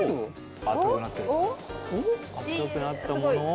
赤くなったものを？